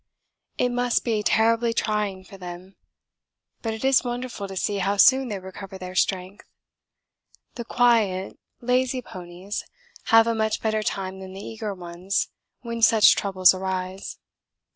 It must be terribly trying for them, but it is wonderful to see how soon they recover their strength. The quiet, lazy ponies have a much better time than the eager ones when such troubles arise.